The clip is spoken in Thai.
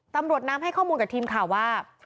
ตำรวจน้ำให้ข้อมูลกับทีมข่าวว่า